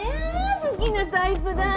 好きなタイプだ。